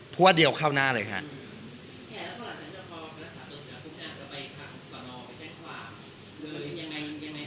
เดียวเข้าหน้าเลยครับ